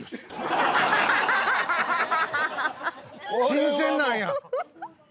新鮮なんや。